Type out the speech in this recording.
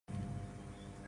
No audio